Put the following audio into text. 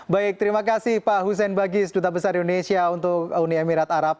baik terima kasih pak hussein bagis duta besar indonesia untuk uni emirat arab